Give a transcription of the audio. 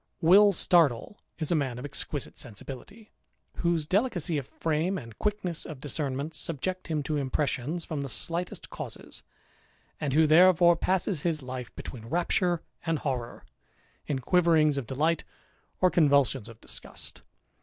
Will Startle is a man of exquisite sensibility, whose delicacy of frame and quickness of discernment subject him to impressions from the slightest causes ; and who therefore passes his life between rapture and horrour, in quiverings of delight, or convulsions of disgust.